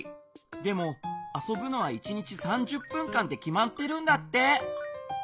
でもあそぶのは１日３０分間ってきまってるんだって。